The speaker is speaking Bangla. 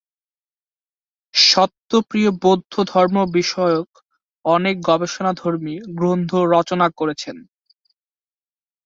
সত্যপ্রিয় বৌদ্ধ ধর্ম বিষয়ক অনেক গবেষণাধর্মী গ্রন্থ রচনা করেছেন।